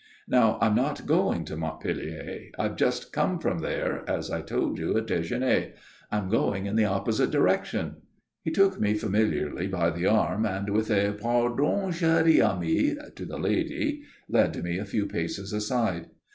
Now, I'm not going to Montpellier. I've just come from there, as I told you at déjeuner. I'm going in the opposite direction." He took me familiarly by the arm, and, with a "Pardon, chère amie," to the lady, led me a few paces aside.